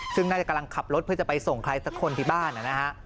ซึ่งน่าจะกำลังขับรถเพื่อจะไปส่งใครสักคนที่บ้านนะฮะ